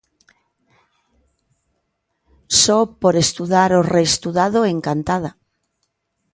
Só por estudar o reestudado encantada.